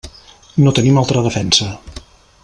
No tenim altra defensa.